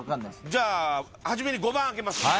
じゃあ初めに５番あけます。